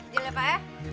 gila pak ya